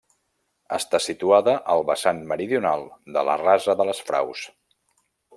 Està situada al vessant meridional de la rasa de les Fraus.